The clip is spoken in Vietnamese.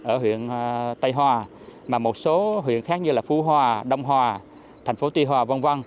ở huyện tây hòa mà một số huyện khác như là phú hòa đông hòa thành phố tuy hòa v v